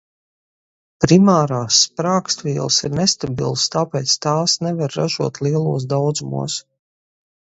Primārās sprāgstvielas ir nestabilas, tāpēc tās nevar ražot lielos daudzumos.